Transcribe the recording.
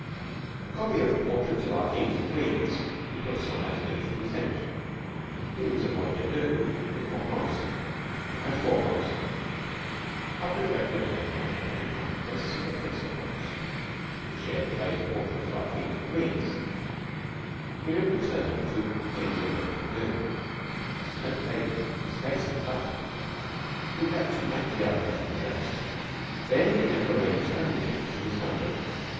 A copy of "Portraits of our Kings and Queens" he put aside as beneath contempt. "Things a Boy Can Do" was more promising. Much more promising. After inspecting a penknife, a pocket compass, and a pencil box (which shared the fate of "Portraits of our Kings and Queens"), William returned to "Things a Boy Can Do." As he turned the pages, his face lit up. He leapt lightly out of bed and dressed. Then he began to arrange his own gifts to his family.